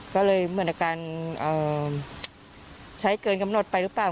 ก็เลยเหมือนอาการใช้เกินกำหนดไปหรือเปล่า